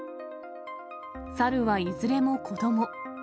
猿はいずれも子ども。